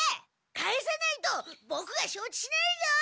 返さないとボクが承知しないぞ！